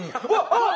あっ！